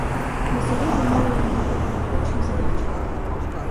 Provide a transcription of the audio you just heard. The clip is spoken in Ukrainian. На суботу маю я мати математичну задачу.